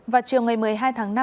và chiều ngày một mươi hai tháng năm